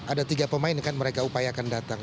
ada tiga pemain kan mereka upaya akan datang